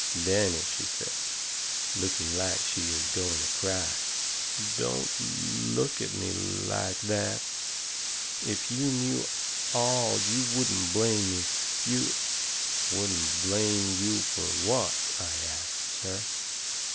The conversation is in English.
"Danny," she says, looking like she is going to cry, "don't l l look at me l l like that. If you knew ALL you wouldn't blame me. You " "Wouldn't blame you fur what?" I asts her.